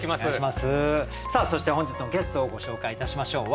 さあそして本日のゲストをご紹介いたしましょう。